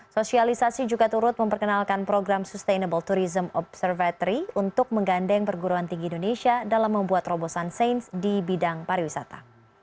sosialisasi juga turut memperkenalkan program sustainable tourism observatory untuk menggandeng perguruan tinggi indonesia dalam membuat terobosan sains di bidang pariwisata